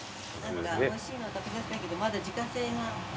おいしいの食べさせたいけどまだ自家製が。